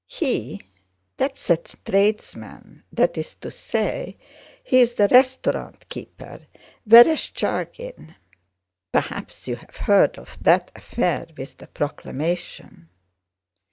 "He? That's a tradesman, that is to say, he's the restaurant keeper, Vereshchágin. Perhaps you have heard of that affair with the proclamation."